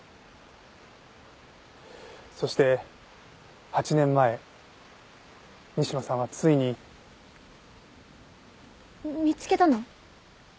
そして８年前西野さんはついに。見つけたの？